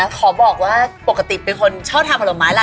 ขอบอกว่าปกติเป็นคนชอบทานผลไม้ล่ะ